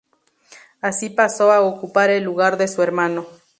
Así pasó a ocupar el lugar de su hermano.